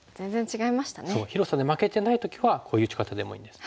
そう広さで負けてない時はこういう打ち方でもいいんです。